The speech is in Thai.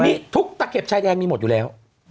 มีทุกตะเข็บชายแดนมีหมดอยู่แล้ว